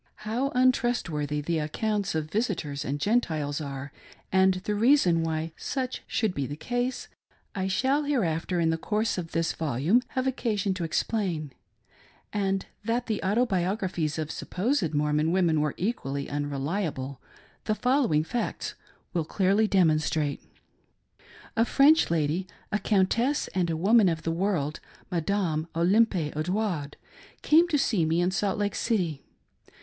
How un trustworthy the accounts of visitors and Gentiles are, and the reason why such should be the case, I shall hereafter, in the course of this volume, have occasion to explain ;— and that' the autobiographies of supposed Mormon women were ecfually •unreliable, the following facts will clearly denionstrate. A French Lady — a Countess and a woman of the world — Madame Olympe Odouard — came to see me in Salt Lake City.